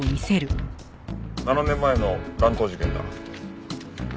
７年前の乱闘事件だ。